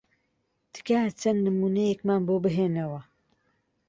تکایە چەند نموونەیەکمان بۆ بهێننەوە.